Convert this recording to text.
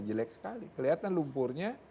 jelek sekali kelihatan lumpurnya